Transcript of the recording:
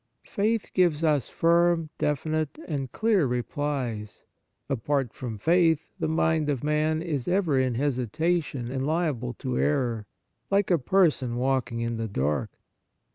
Faith gives us firm, defi nite, and clear replies. Apart from faith, the mind of man is ever in hesitation and liable to error, like a person walking in the dark.